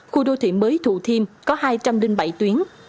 khu đô thị mới thủ thiêm có hai trăm linh bảy tuyến